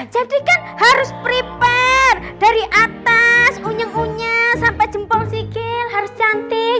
jadi kan harus prepare dari atas unyeng unyeng sampai jempol sikil harus cantik